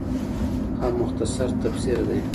او مختصر تفسير دے